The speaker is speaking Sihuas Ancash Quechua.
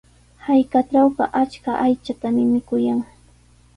Hallqatrawqa achka aychatami mikuyan.